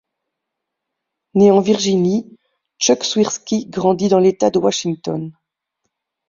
Né en Virginie, Chuck Swirsky grandit dans l'État de Washington.